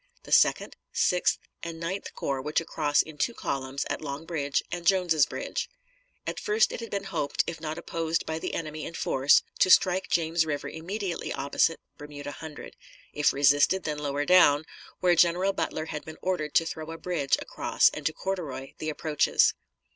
The Second, Sixth, and Ninth Corps were to cross in two columns at Long Bridge and Jones's Bridge. At first it had been hoped, if not opposed by the enemy in force, to strike James River immediately opposite Bermuda Hundred; if resisted, then lower down, where General Butler had been ordered to throw a bridge across and to corduroy the approaches.